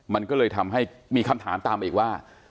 มันก็เลยทำให้มีคำถามตามอีกว่า